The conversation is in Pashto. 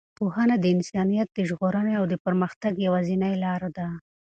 پوهنه د انسانیت د ژغورنې او د پرمختګ یوازینۍ لاره ده.